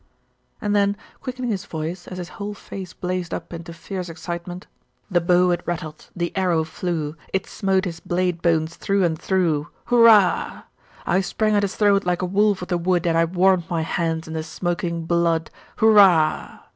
And then quickening his voice, as his whole face blazed up into fierce excitement The bow it rattled' the arrow flew, It smote his blade bones through and through, Hurrah! I sprang at his throat like a wolf of the wood, And I warmed my hands in the smoking blood, Hurrah!